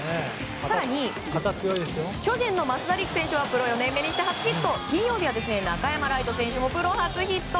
更に、巨人の増田陸選手はプロ４年目にして初ヒット中山礼都選手も初ヒット。